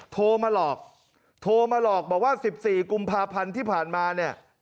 โทรมาหลอกโทรมาหลอกบอกว่า๑๔กุมภาพันธ์ที่ผ่านมาเนี่ย